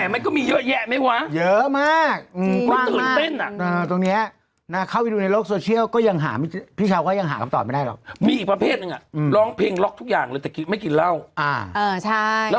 ไปเมาให้เต็มที่มีเงินไปกินเร้า